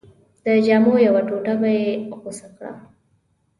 د جامو یوه ټوټه به یې غوڅه کړه.